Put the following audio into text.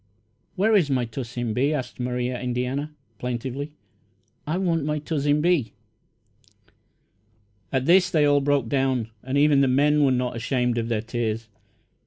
"Where is my Tuzzin Bee?" asked Maria Indiana, plaintively. "I want my Tuzzin Bee!" At this they all broke down, and even the men were not ashamed of their tears.